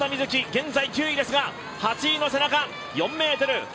現在、９位ですが８位の背中、４ｍ、５ｍ。